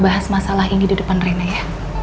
bahas masalah ini di depan rena ya